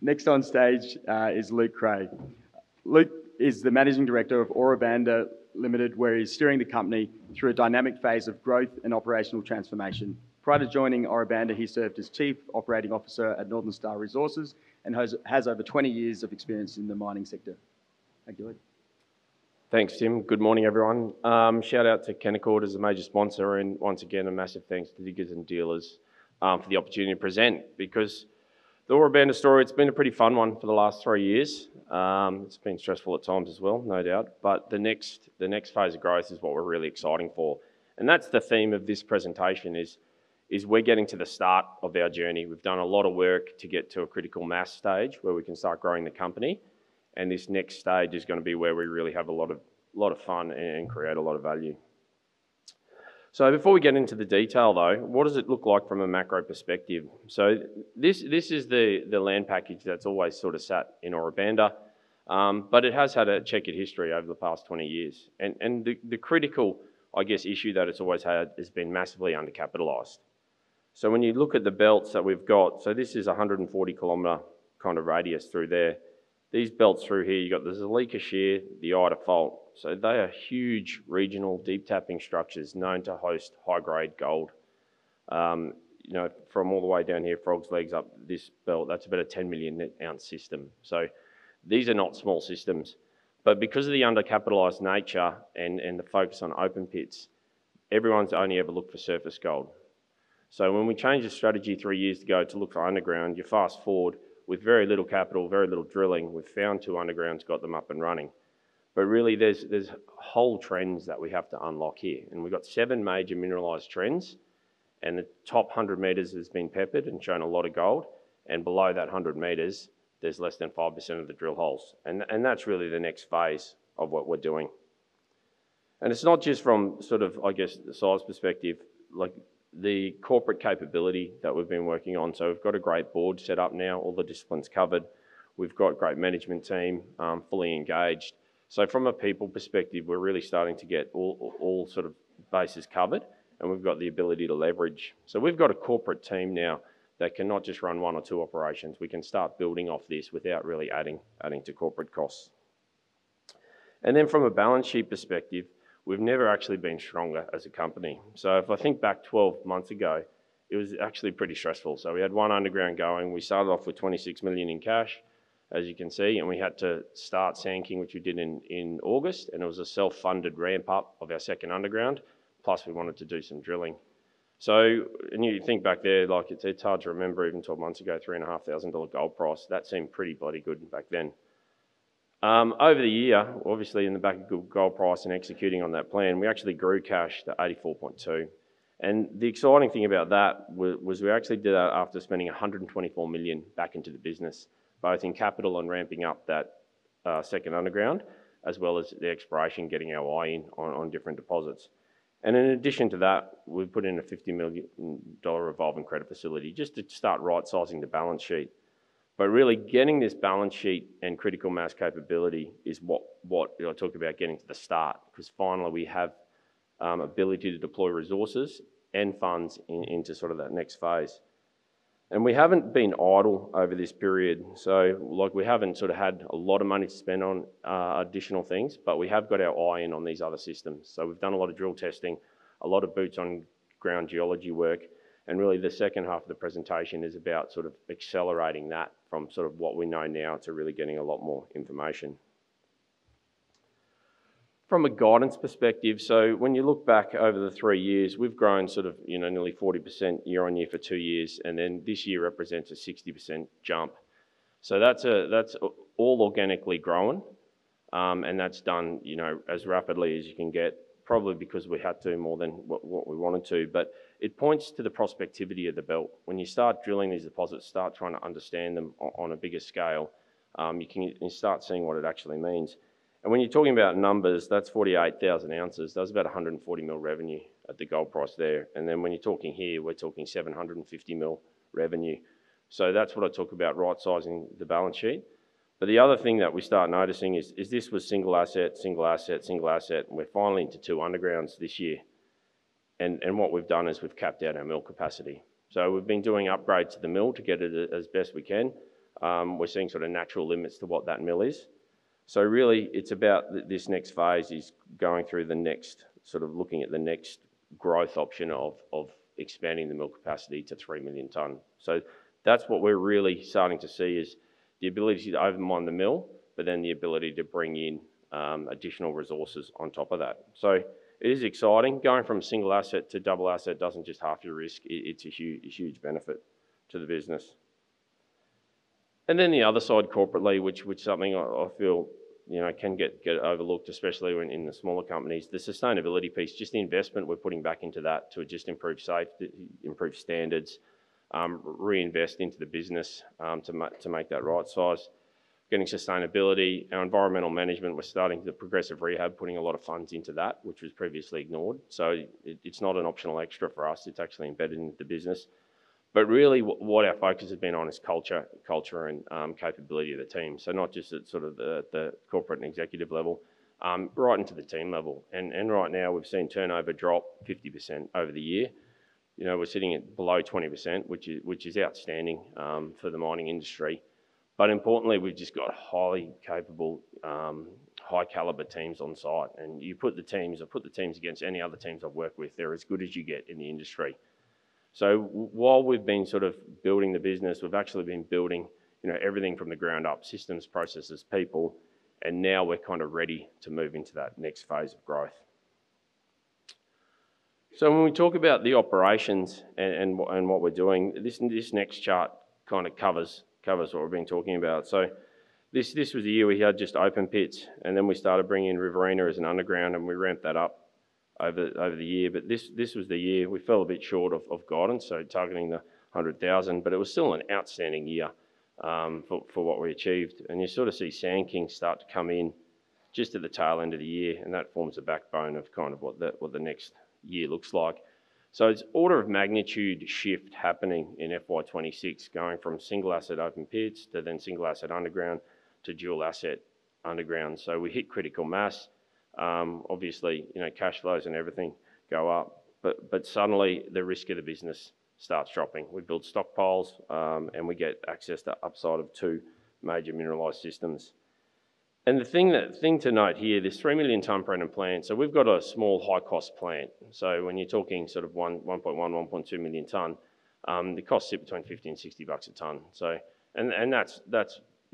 Next on stage is Luke Creagh. Luke is the Managing Director of Ora Banda Limited, where he's steering the company through a dynamic phase of growth and operational transformation. Prior to joining Ora Banda, he served as Chief Operating Officer at Northern Star Resources and has over 20 years of experience in the mining sector. Thanks, Tim. Good morning, everyone. Shout out to Canaccord as a major sponsor, and once again, a massive thanks to Diggers & Dealers for the opportunity to present because the Ora Banda story, it's been a pretty fun one for the last three years. It's been stressful at times as well, no doubt. The next phase of growth is what we're really excited for. That's the theme of this presentation, we're getting to the start of our journey. We've done a lot of work to get to a critical mass stage where we can start growing the company. This next stage is going to be where we really have a lot of fun and create a lot of value. Before we get into the detail, though, what does it look like from a macro perspective? This is the land package that's always sort of sat in Ora Banda, but it has had a checkered history over the past 20 years. The critical, I guess, issue that it's always had has been massively undercapitalized. When you look at the belts that we've got, this is a 140 km kind of radius through there. These belts through here, you've got the Zuleika Shear, the Ida Fault. They are huge regional deep-tapping structures known to host high-grade gold. From all the way down here, Frog's Legs up this belt, that's about a 10-million-ounce system. These are not small systems. Because of the undercapitalized nature and the focus on open-pit mining, everyone's only ever looked for surface gold. When we changed the strategy three years ago to go to look for underground, you fast forward with very little capital, very little drilling. We've found two undergrounds, got them up and running. There are whole trends that we have to unlock here. We've got seven major mineralized trends. The top 100 meters has been peppered and shown a lot of gold. Below that 100 m, there's less than 5% of the drill holes. That's really the next phase of what we're doing. It's not just from, I guess, the size perspective, like the corporate capability that we've been working on. We've got a great board set up now, all the disciplines covered. We've got a great management team, fully engaged. From a people perspective, we're really starting to get all sort of bases covered. We've got the ability to leverage. We've got a corporate team now that cannot just run one or two operations. We can start building off this without really adding to corporate costs. From a balance sheet perspective, we've never actually been stronger as a company. If I think back 12 months ago, it was actually pretty stressful. We had one underground going. We started off with $26 million in cash, as you can see. We had to start Sand King, which we did in August. It was a self-funded ramp-up of our second underground. Plus, we wanted to do some drilling. When you think back there, it's hard to remember even 12 months ago, $3,500 gold price. That seemed pretty bloody good back then. Over the year, obviously in the back of gold price and executing on that plan, we actually grew cash to $84.2 million. The exciting thing about that was we actually did that after spending $124 million back into the business, both in capital and ramping up that second underground, as well as the exploration, getting our eye in on different deposits. In addition to that, we put in a $50 million revolving credit facility just to start right-sizing the balance sheet. Really getting this balance sheet and critical mass capability is what I talk about getting to the start because finally we have the ability to deploy resources and funds into that next phase. We haven't been idle over this period. We haven't had a lot of money spent on additional things, but we have got our eye in on these other systems. We've done a lot of drill testing, a lot of boots-on-ground geology work. The second half of the presentation is about accelerating that from what we know now to really getting a lot more information. From a guidance perspective, when you look back over the three years, we've grown nearly 40% year-on-year for two years. This year represents a 60% jump. That's all organically growing. That's done as rapidly as you can get, probably because we had to more than what we wanted to. It points to the prospectivity of the belt. When you start drilling these deposits, start trying to understand them on a bigger scale, you can start seeing what it actually means. When you're talking about numbers, that's 48,000 oz. That's about $140 million revenue at the gold price there. When you're talking here, we're talking $750 million revenue. That's what I talk about right-sizing the balance sheet. The other thing that we start noticing is this was single asset, single asset, single asset. We're finally into two undergrounds this year. What we've done is we've capped out our mill capacity. We've been doing upgrades to the mill to get it as best we can. We're seeing sort of natural limits to what that mill is. Really, it's about this next phase, going through the next sort of looking at the next growth option of expanding the mill capacity to 3 million tons. That's what we're really starting to see: the ability to overmine the mill, but then the ability to bring in additional resources on top of that. It is exciting going from single asset to double asset. It doesn't just have to risk. It's a huge, huge benefit to the business. The other side corporately, which is something I feel can get overlooked, especially in the smaller companies, is the sustainability piece. Just the investment we're putting back into that to improve safety, improve standards, reinvest into the business to make that right size. Getting sustainability and environmental management, we're starting the progressive rehab, putting a lot of funds into that, which was previously ignored. It's not an optional extra for us. It's actually embedded in the business. Really, what our focus has been on is culture, culture, and capability of the team. Not just at the corporate and executive level, right into the team level. Right now, we've seen turnover drop 50% over the year. We're sitting at below 20%, which is outstanding for the mining industry. Importantly, we've just got highly capable, high-caliber teams on site. You put the teams, I put the teams against any other teams I've worked with. They're as good as you get in the industry. While we've been building the business, we've actually been building everything from the ground up: systems, processes, people. Now we're kind of ready to move into that next phase of growth. When we talk about the operations and what we're doing, this next chart kind of covers what we've been talking about. This was the year we had just open pits, and then we started bringing in Riverina as an underground. We ramped that up over the year. This was the year we fell a bit short of guidance, targeting the 100,000. It was still an outstanding year for what we achieved. You sort of see Sand King start to come in just at the tail end of the year, and that forms the backbone of what the next year looks like. It's an order of magnitude shift happening in FY 2026, going from single asset open-pit mining to then single asset underground to dual-underground asset model. We hit critical mass. Obviously, cash flows and everything go up. Suddenly, the risk of the business starts dropping. We build stockpiles, and we get access to upside of two major mineralized systems. The thing to note here is this 3 million ton per annum plant. We've got a small high-cost plant. When you're talking sort of 1.1 million ton, 1.2 million ton, the costs sit between $50 and $60 a ton, and that's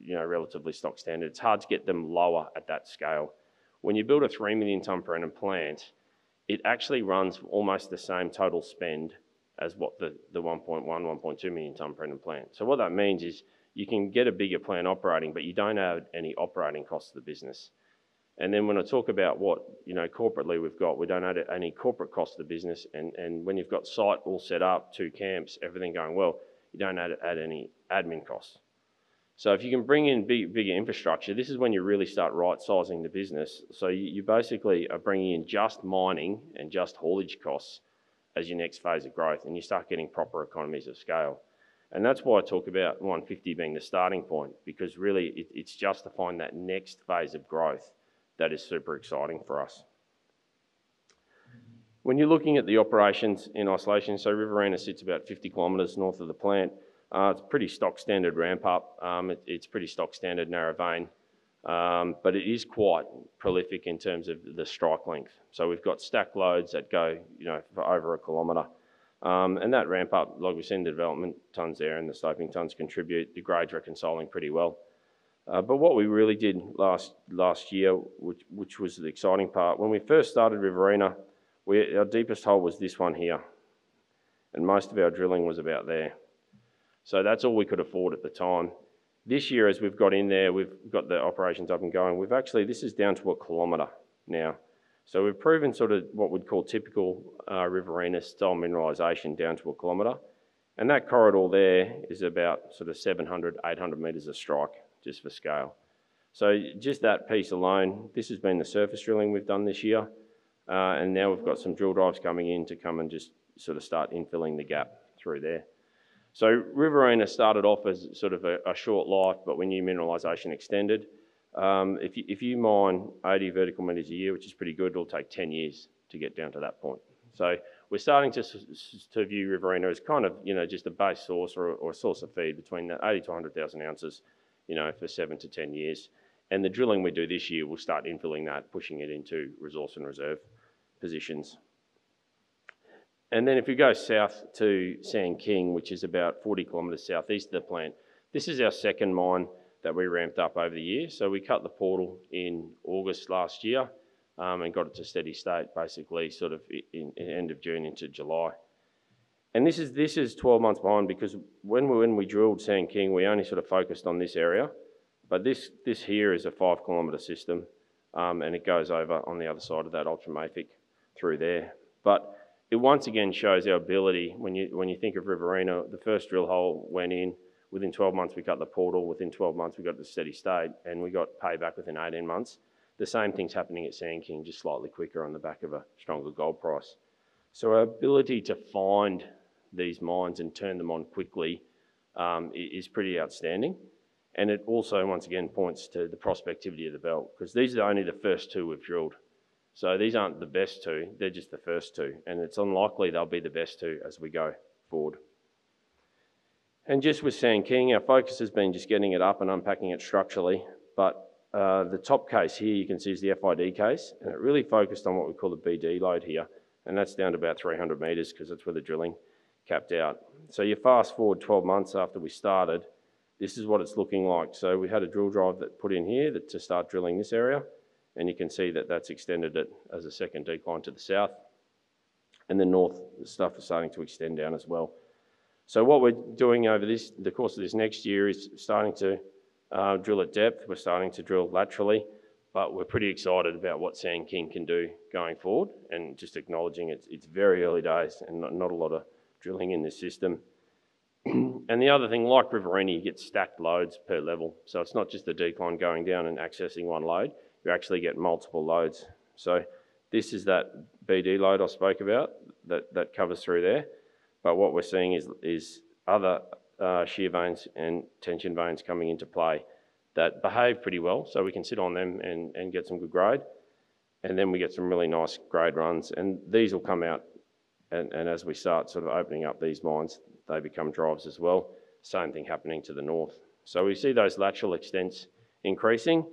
relatively stock standard. It's hard to get them lower at that scale. When you build a 3 million ton per annum plant, it actually runs almost the same total spend as what the 1.1 million ton, 1.2 million ton per annum plant does. What that means is you can get a bigger plant operating, but you don't add any operating costs to the business. When I talk about what corporately we've got, we don't add any corporate costs to the business. When you've got site all set up, two camps, everything going well, you don't add any admin costs. If you can bring in bigger infrastructure, this is when you really start right-sizing the business. You basically are bringing in just mining and just haulage costs as your next phase of growth, and you start getting proper economies of scale. That's why I talk about 150 being the starting point because really, it's justifying that next phase of growth that is super exciting for us. When you're looking at the operations in isolation, Riverina sits about 50 km north of the plant. It's a pretty stock standard ramp-up. It's a pretty stock standard narrow vein, but it is quite prolific in terms of the strike length. We've got stack loads that go for over a kilometer, and that ramp-up, like we've seen the development tons there and the stoping tons contribute. The grades are consoling pretty well. What we really did last year, which was the exciting part, when we first started Riverina, our deepest hole was this one here, and most of our drilling was about there. That's all we could afford at the time. This year, as we've got in there, we've got the operations up and going. We've actually, this is down to a kilometer now. We've proven sort of what we'd call typical Riverina style mineralization down to a kilometer, and that corridor there is about 700 m, 800 m of strike, just for scale. Just that piece alone, this has been the surface drilling we've done this year. Now we've got some drill drives coming in to start infilling the gap through there. Riverina started off as sort of a short life, but when your mineralization extended, if you mine 80 vertical meters a year, which is pretty good, it'll take 10 years to get down to that point. We're starting to view Riverina as kind of, you know, just a base source or a source of feed between 80,000 oz-100,000 oz for 7 years-10 years. The drilling we do this year will start infilling that, pushing it into resource and reserve positions. If we go south to Sand King, which is about 40 km southeast of the plant, this is our second mine that we ramped up over the years. We cut the portal in August last year and got it to steady state basically, end of June into July. This is 12 months behind because when we drilled Sand King, we only focused on this area. This here is a five-kilometer system, and it goes over on the other side of that ultramafic through there. It once again shows our ability. When you think of Riverina, the first drill hole went in. Within 12 months, we cut the portal. Within 12 months, we got to steady state. We got payback within 18 months. The same thing's happening at Sand King, just slightly quicker on the back of a stronger gold price. Our ability to find these mines and turn them on quickly is pretty outstanding. It also, once again, points to the prospectivity of the belt because these are only the first two we've drilled. These aren't the best two; they're just the first two. It's unlikely they'll be the best two as we go forward. With Sand King, our focus has been just getting it up and unpacking it structurally. The top case here, you can see, is the FID case, and it really focused on what we call the BD Lode here. That's down to about 300 m because that's where the drilling capped out. Fast forward 12 months after we started, this is what it's looking like. We had a drill drive put in here to start drilling this area, and you can see that that's extended as a second decline to the south. The north stuff is starting to extend down as well. Over the course of this next year, we're starting to drill at depth. We're starting to drill laterally. We're pretty excited about what Sand King can do going forward and just acknowledging it's very early days and not a lot of drilling in this system. The other thing, like Riverina, you get stacked loads per level. It's not just the decline going down and accessing one load. You actually get multiple loads. This is that BD Lode I spoke about that covers through there. What we're seeing is other shear veins and tension veins coming into play that behave pretty well. We can sit on them and get some good grade. We get some really nice grade runs. These will come out. As we start sort of opening up these mines, they become drives as well. Same thing happening to the north. We see those lateral extents increasing.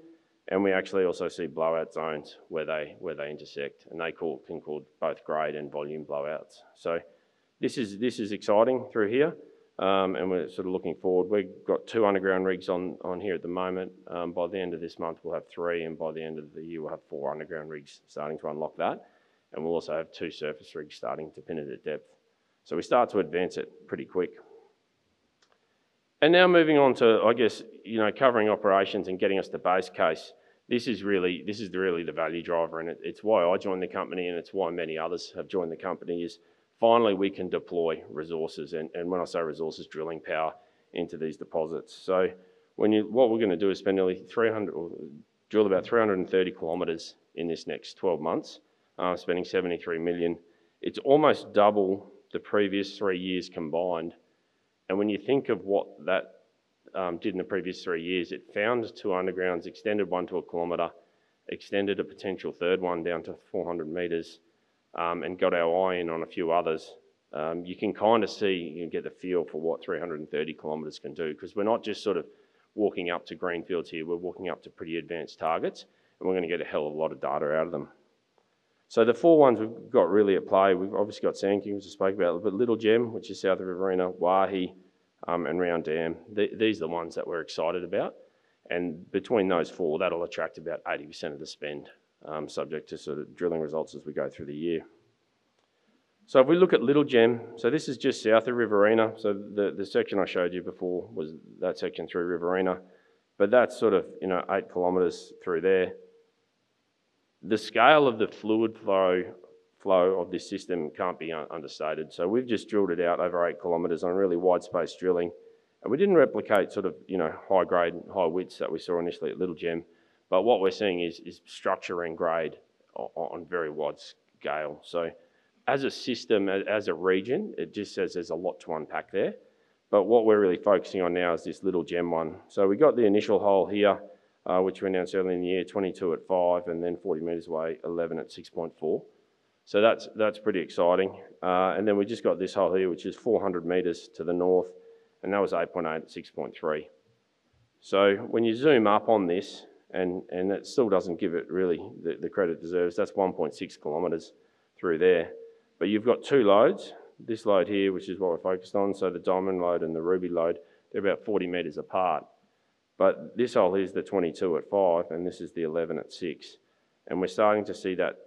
We actually also see blowout zones where they intersect. They can call both grade and volume blowouts. This is exciting through here. We're sort of looking forward. We've got two underground rigs on here at the moment. By the end of this month, we'll have three. By the end of the year, we'll have four underground rigs starting to unlock that. We'll also have two surface rigs starting to pin it at depth. We start to advance it pretty quick. Now moving on to, I guess, covering operations and getting us the base case. This is really the value driver. It's why I joined the company. It's why many others have joined the company. Finally, we can deploy resources. When I say resources, drilling power into these deposits. What we're going to do is spend nearly $73 million, drill about 330 km in this next 12 months. It's almost double the previous three years combined. When you think of what that did in the previous three years, it found two undergrounds, extended one to a kilometer, extended a potential third one down to 400 m, and got our eye in on a few others. You can kind of see and get the feel for what 330 km can do because we're not just sort of walking up to greenfields here. We're walking up to pretty advanced targets. We're going to get a hell of a lot of data out of them. The four ones we've got really at play, we've obviously got Sand King as we spoke about, but Little Gem, which is south of Riverina, Waihi, and Round Dam. These are the ones that we're excited about. Between those four, that'll attract about 80% of the spend, subject to sort of drilling results as we go through the year. If we look at Little Gem, this is just south of Riverina. The section I showed you before was that section through Riverina, but that's, you know, 8 km through there. The scale of the fluid flow of this system can't be understated. We've just drilled it out over eight kilometers on really wide space drilling. We didn't replicate, you know, high grade and high widths that we saw initially at Little Gem, but what we're seeing is structure and grade on a very wide scale. As a system, as a region, it just says there's a lot to unpack there. What we're really focusing on now is this Little Gem one. We got the initial hole here, which we announced earlier in the year, 22 at 5, and then 40 m away, 11 at 6.4. That's pretty exciting. We just got this hole here, which is 400 m to the north, and that was 8.8 at 6.3. When you zoom up on this, and that still doesn't give it really the credit it deserves, that's 1.6 kilometers through there. You've got two lodes, this lode here, which is what we're focused on, so the diamond lode and the ruby lode, they're about 40 m apart. This hole is the 22 at 5, and this is the 11 at 6. We're starting to see that,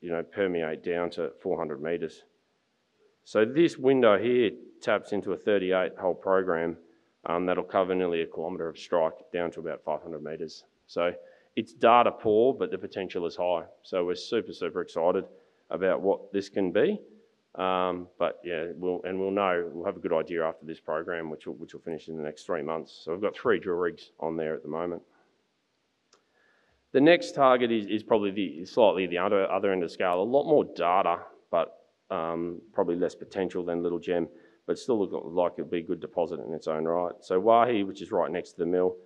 you know, permeate down to 400 m. This window here taps into a 38-hole program that'll cover nearly a kilometer of strike down to about 500 m. It's data poor, but the potential is high. We're super, super excited about what this can be. We'll know, we'll have a good idea after this program, which we'll finish in the next three months. We've got three drill rigs on there at the moment. The next target is probably slightly the other end of the scale, a lot more data, but probably less potential than Little Gem, but still looking like it'd be a good deposit in its own right. Waihi, which is right next to the mill,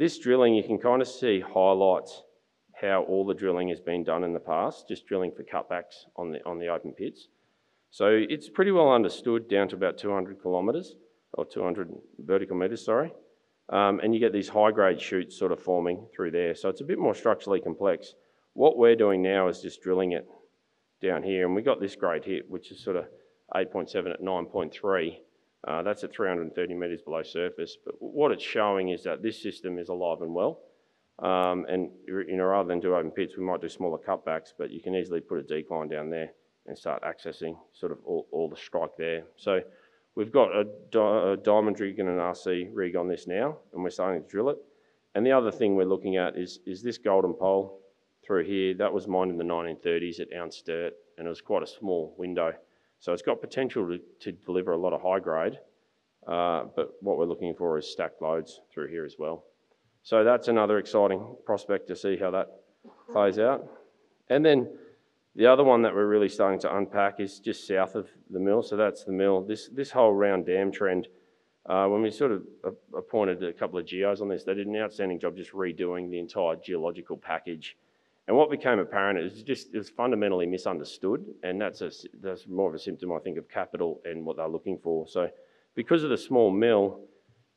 this drilling, you can kind of see highlights how all the drilling has been done in the past, just drilling for cutbacks on the open pits. It's pretty well understood down to about 200 vertical meters, sorry. You get these high-grade chutes sort of forming through there. It's a bit more structurally complex. What we're doing now is just drilling it down here. We got this grade here, which is sort of 8.7 at 9.3. That's at 330 m below surface. What it's showing is that this system is alive and well. Rather than do open pits, we might do smaller cutbacks, but you can easily put a decline down there and start accessing sort of all the strike there. We've got a diamond rig and an RC rig on this now, and we're starting to drill it. The other thing we're looking at is this golden pole through here. That was mined in the 1930s at downstert, and it was quite a small window. It's got potential to deliver a lot of high grade. What we're looking for is stacked loads through here as well. That's another exciting prospect to see how that plays out. The other one that we're really starting to unpack is just south of the mill. That's the mill. This whole Round Dam trend, when we sort of appointed a couple of geos on this, they did an outstanding job just redoing the entire geological package. What became apparent is just it's fundamentally misunderstood. That's more of a symptom, I think, of capital and what they're looking for. Because of the small mill,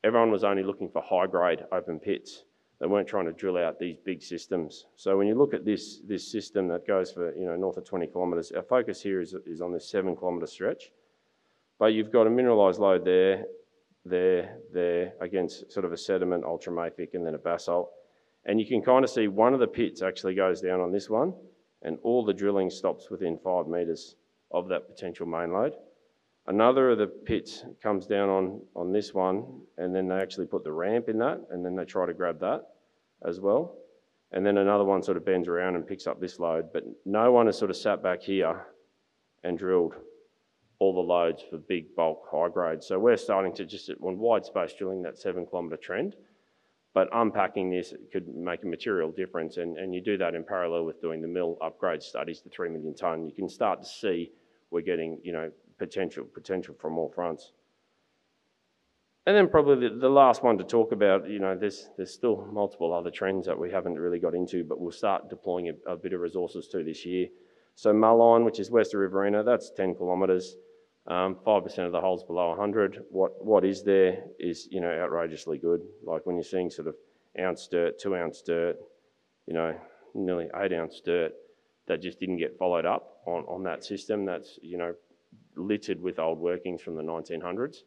everyone was only looking for high-grade open pits. They weren't trying to drill out these big systems. When you look at this system that goes for, you know, north of 20 km, our focus here is on this 7 km stretch. You've got a mineralized load there, there, there against sort of a sediment, ultramafic, and then a basalt. You can kind of see one of the pits actually goes down on this one, and all the drilling stops within five meters of that potential main load. Another of the pits comes down on this one, and then they actually put the ramp in that, and then they try to grab that as well. Another one sort of bends around and picks up this load. No one has sort of sat back here and drilled all the loads for big bulk high grade. We're starting to just, on wide space, drilling that 7 km trend. Unpacking this could make a material difference. You do that in parallel with doing the mill upgrade studies, the 3 million ton. You can start to see we're getting, you know, potential, potential from all fronts. Probably the last one to talk about, there's still multiple other trends that we haven't really got into, but we'll start deploying a bit of resources to this year. Malon, which is west of Riverina, that's 10 km. 5% of the holes below 100. What is there is, you know, outrageously good. Like when you're seeing sort of ounce dirt, two-ounce dirt, you know, nearly eight-ounce dirt that just didn't get followed up on that system that's, you know, littered with old workings from the 1900s.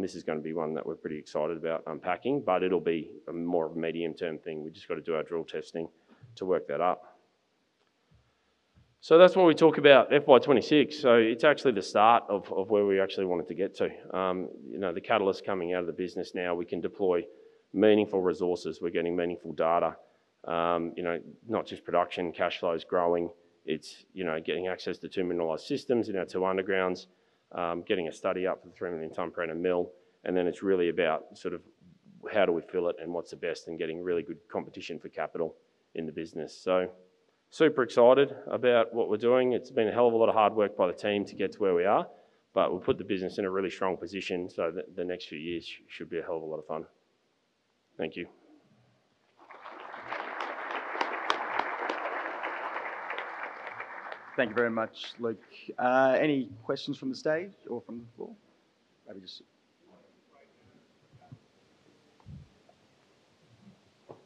This is going to be one that we're pretty excited about unpacking, but it'll be more of a medium-term thing. We just got to do our drill testing to work that up. That's what we talk about, FY 2026. It's actually the start of where we actually wanted to get to. The catalyst coming out of the business now, we can deploy meaningful resources. We're getting meaningful data. Not just production, cash flow is growing. It's getting access to two mineralized systems, two undergrounds, getting a study up for the 3 million-ton print of mill. It's really about how do we fill it and what's the best and getting really good competition for capital in the business. Super excited about what we're doing. It's been a hell of a lot of hard work by the team to get to where we are, but we've put the business in a really strong position. The next few years should be a hell of a lot of fun. Thank you. Thank you very much, Luke. Any questions from the stage or from the floor? Maybe just.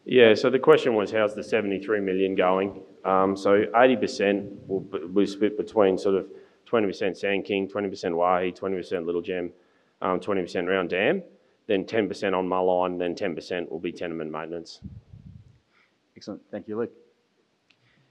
Yeah, so the question was how's the $73 million going? 80% will be split between sort of 20% Sand King, 20% Waihi, 20% Little Gem, 20% Round Dam, then 10% on Malon, and then 10% will be tenement maintenance. Excellent. Thank you, Luke.